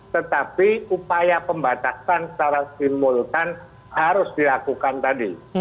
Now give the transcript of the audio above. tetapi upaya pembatasan secara simultan harus dilakukan tadi